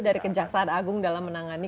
dari kejaksaan agung dalam menangani